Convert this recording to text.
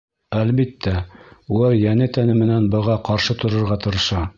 Әлбиттә, улар йәне-тәне менән быға ҡаршы торорға тырыша.